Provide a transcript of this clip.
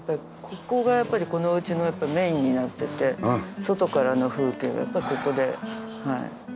ここがやっぱりこの家のメインになってて外からの風景はやっぱりここではい。